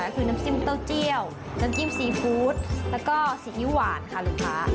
คือน้ำจิ้มเต้าเจียวน้ำจิ้มซีฟู้ดแล้วก็ซีอิ๊วหวานค่ะลูกค้า